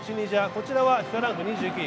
こちらはＦＩＦＡランク２９位。